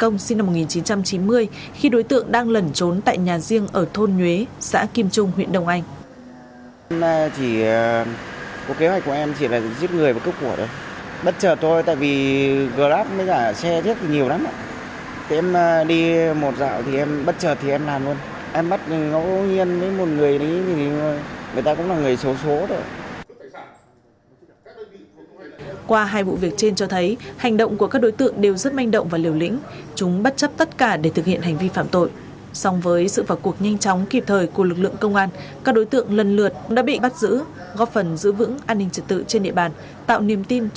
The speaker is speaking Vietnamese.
cũng trong ngày một mươi bảy tháng bảy năm hai nghìn hai mươi ba người dân xã kim trung xuyên nguyễn phúc xuyên nguyễn phúc xuyên nguyễn phúc xuyên nguyễn phúc xuyên nguyễn phúc xuyên nguyễn phúc xuyên nguyễn phúc